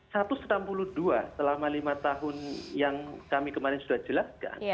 pada tahun seribu sembilan ratus delapan puluh dua selama lima tahun yang kami kemarin sudah jelaskan